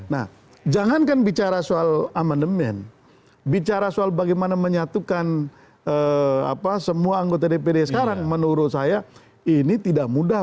nah jangankan bicara soal amandemen bicara soal bagaimana menyatukan semua anggota dpd sekarang menurut saya ini tidak mudah